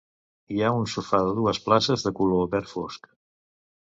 Hi ha un sofà de dues places, de color verd fosc.